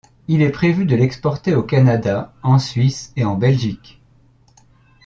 Il est prévu de l'exporter au Canada, en Suisse et en Belgique.